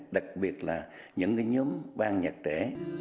đặc biệt là những nhóm ban nhạc trẻ